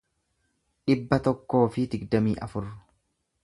dhibba tokkoo fi digdamii afur